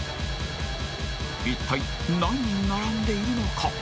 一体何人並んでいるのか？